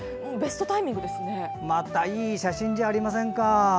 いい写真じゃありませんか。